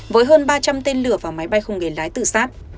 với hơn ba trăm linh tên lửa và máy bay không người lái tự sát